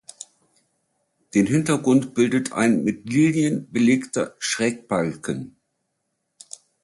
Den Hintergrund bildet ein mit Lilien belegter Schrägbalken.